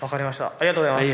ありがとうございます。